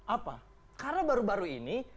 apa karena baru baru ini